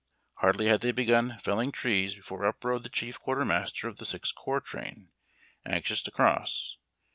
Hardly had they begun felling trees before up rode the chief quartermaster of the Sixth Corps train, anxious to cross.